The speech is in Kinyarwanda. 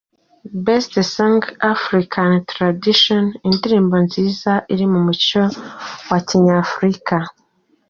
Best Song African Traditional: Indirimbo nziza iri mu muco wa Kinyafrika.